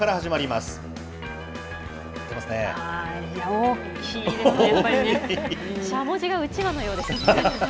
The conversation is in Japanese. しゃもじがうちわのようですね。